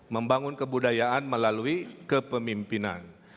membangun kebudayaan melalui kepemimpinan